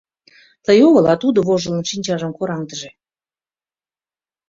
Тый огыл, а тудо, вожылын, шинчажым кораҥдыже.